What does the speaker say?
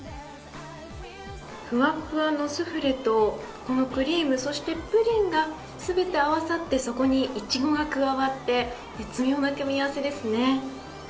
ふわふわのスフレとこのクリームプリンが合わさってそこにいちごが加わって絶妙な組み合わせですね。